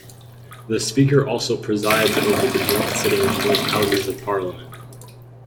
The speaker also presides over the joint sitting of both Houses of Parliament.